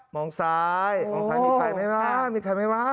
มองซ้ายมองซ้ายมีใครไหมมีใครไหม